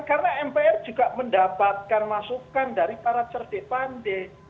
karena mpr juga mendapatkan masukan dari para certifande